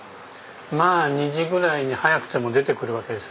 まあ２時ぐらいに早くても出てくるわけですよ。